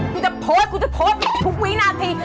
กูจะโพสต์กูจะโพสต์ทุกวินาที